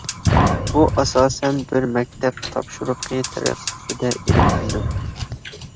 بۇ ئاساسەن بىر مەكتەپ تاپشۇرۇقى تەرىقىسىدە ئېلىپ بېرىلىدۇ.